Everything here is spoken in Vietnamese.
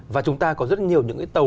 và chúng ta có rất nhiều những cái tàu